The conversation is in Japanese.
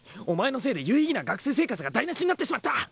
お前のせいで有意義な学生生活が台無しになってしまった。